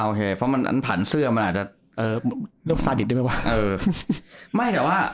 เคเพราะมันอันผันเสื้อมันอาจจะเอ่อเรื่องซาดิตได้ไหมวะเออไม่แต่ว่า